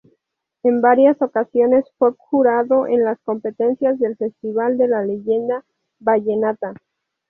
En varias ocasiones fue jurado en las competencias del Festival de la Leyenda Vallenata.